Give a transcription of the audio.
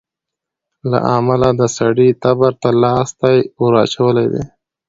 له امله د سړي تبر ته لاستى وراچولى دى.